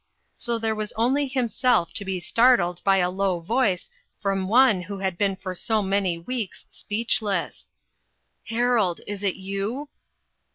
So there was only himself to be startled by a low voice from one who had been for so many weeks speechless :" Harold, is it you